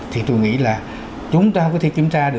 thì tôi nghĩ là chúng ta có thể kiểm tra được